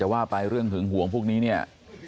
แต่ว่าไปเรื่องหึงห่วงพวกนี้เนี่ย